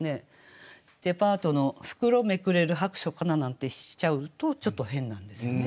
「デパートの袋めくれる薄暑かな」なんてしちゃうとちょっと変なんですよね。